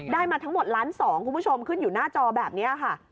มาทั้งหมดล้านสองคุณผู้ชมขึ้นอยู่หน้าจอแบบนี้ค่ะ